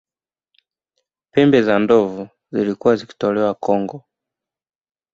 pembe za ndovu zilikuwa zikitolewa kongo